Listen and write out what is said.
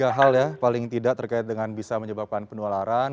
jadi ada tiga hal ya paling tidak terkait dengan bisa menyebabkan penularan